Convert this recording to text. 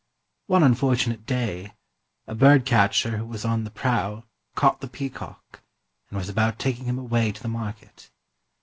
One unfortunate day, a bird catcher who was on the prowl caught the peacock and was about taking him away to the market.